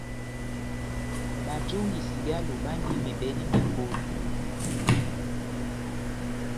Bajongi cigalo bandi mebèdi mekolo.